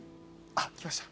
あっ来ました。